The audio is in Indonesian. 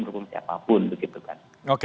mendukung siapapun gitu kan